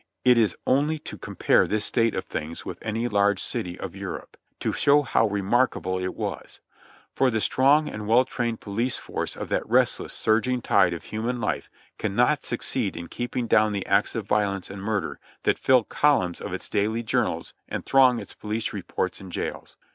It is only to compare this state of things with any large city of Europe — to show how remarkable it was; for the strong and well trained police force of that restless, surging tide of human life cannot suc ceed in keeping down the acts of violence and murder that fill columns of its daily journals and throng its police courts and jails.